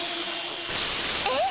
えっ？